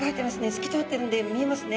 透き通ってるんで見えますね。